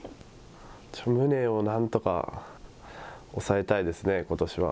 宗を何とか抑えたいですね、ことしは。